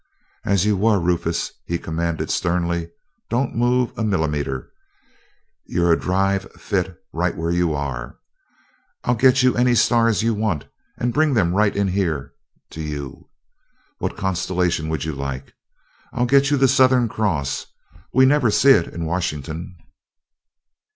"As you were, Rufus!" he commanded sternly. "Don't move a millimeter you're a drive fit, right where you are. I'll get you any stars you want, and bring them right in here to you. What constellation would you like? I'll get you the Southern Cross we never see it in Washington."